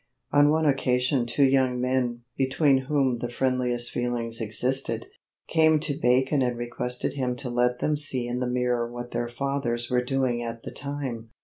On one occasion two young men, between whom the friendliest feelings existed, came to Bacon and requested him to let them see in the mirror what their fathers were doing at the time.